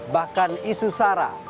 bahkan isu sara